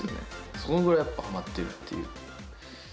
そのくらいやっぱはまってるという。